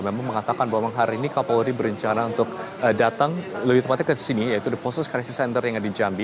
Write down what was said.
memang mengatakan bahwa hari ini kapolri berencana untuk datang lebih tepatnya ke sini yaitu the postus crisis center yang ada di jambi